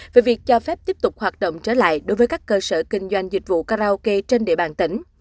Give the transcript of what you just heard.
về việc cho phép tiếp tục hoạt động trở lại đối với các cơ sở kinh doanh dịch vụ karaoke trên địa bàn tỉnh